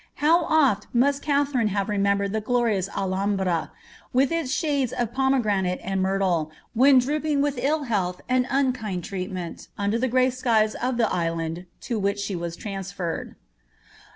How oft must Katharine have remembered the glorious Alhambra, with its shades of pomegranate and myrtle, when drooping with ill health and unkind treatment under the grey skies of the island to which she was transferred.